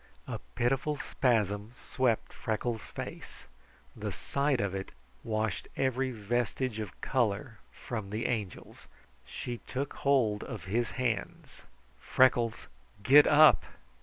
A pitiful spasm swept Freckles' face. The sight of it washed every vestige of color from the Angel's. She took hold of his hands. "Freckles, get up!"